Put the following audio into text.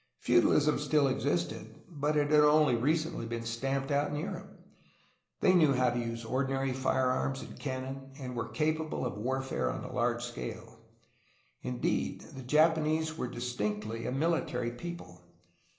Feudalism still existed, but it had only recently been stamped out in Europe. They knew how to use ordinary firearms and k 34 A HISTORY OF CALIFORNIA cannon, and were capable of warfare on a large scale. In deed, the Japanese were distinctly a military people.